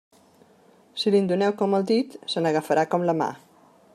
Si li'n doneu com el dit, se n'agafarà com la mà.